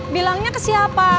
bilangnya ke siapa